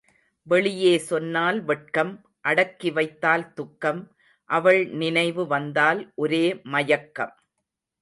வெளியே சொன்னால் வெட்கம் அடக்கி வைத்தால் துக்கம் அவள் நினைவு வந்தால் ஒரே மயக்கம்.